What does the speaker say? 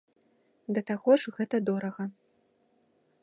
Да таго ж гэта дорага.